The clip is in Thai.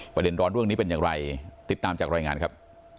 ประเด็นร้อนเรื่องนี้เป็นอย่างไรติดตามจากรายงานครับ